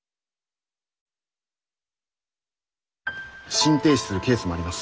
心停止するケースもあります。